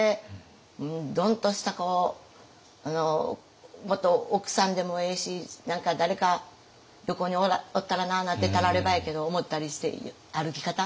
ドン！とした奥さんでもええし何か誰か横におったらなあなんてたらればやけど思ったりして歩き方。